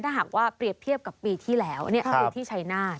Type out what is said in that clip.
ถ้าหากว่าเปรียบเทียบกับปีที่แล้วคือที่ชัยนาธิ